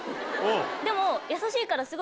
でも。